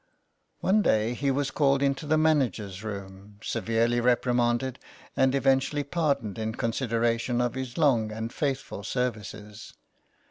One day he was called into the manager's room, severely reprimanded, and eventually pardoned in consideration of his long and faithful services.